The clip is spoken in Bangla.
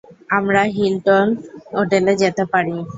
আমরা হিলটন হোটেলে যেতে পারি।